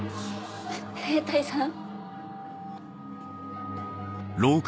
兵隊さん？